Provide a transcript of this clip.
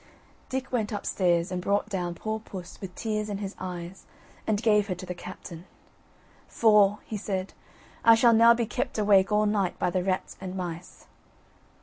Dick went upstairs and brought down poor puss, with tears in his eyes, and gave her to the captain; "For," he said, "I shall now be kept awake all night by the rats and mice."